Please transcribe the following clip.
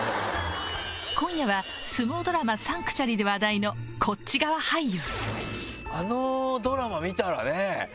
今夜は相撲ドラマ「サンクチュアリ」で話題のこっち側俳優。